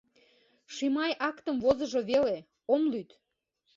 Шимай актым возыжо веле — ом лӱд.